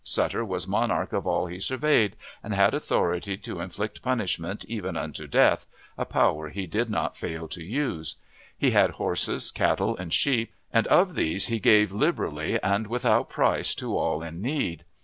Sutter was monarch of all he surveyed, and had authority to inflict punishment even unto death, a power he did not fail to use. He had horses, cattle, and sheep, and of these he gave liberally and without price to all in need.